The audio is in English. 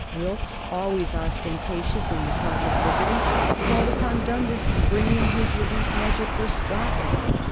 Wilkes, always ostentatious in the cause of liberty, called upon Dundas to bring in his relief measure for Scotland.